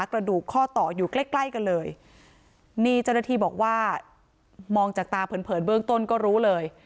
กระดูกข้อต่ออยู่ใกล้ใกล้กันเลยนี่เจ้าหน้าที่บอกว่ามองจากตาเผินเผินเบื้องต้นก็รู้เลย